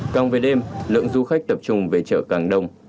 càng về đêm lượng du khách tập trung về chợ càng đông